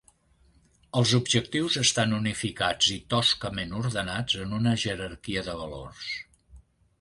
Els objectius estan unificats i toscament ordenats en una jerarquia de valors.